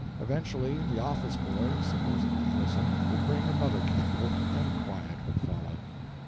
Eventually the office boy, supposedly innocent, would bring another candle, and quiet would follow.